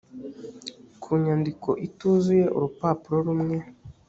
ku nyandiko ituzuye urupapuro rumwe